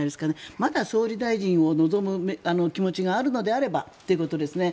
まだ、総理大臣を望む気持ちがあるのであればということですね。